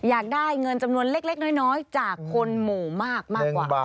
อยากได้เงินจำนวนเล็กน้อยจากคนหมู่มากมากกว่า